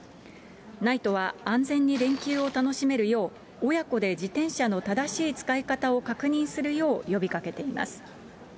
ＮＩＴＥは安全に連休を楽しめるよう、親子で自転車の正しい使い方を確認するよう呼びかけています。